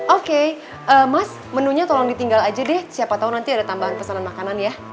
oke mas menunya tolong ditinggal aja deh siapa tahu nanti ada tambahan pesanan makanan ya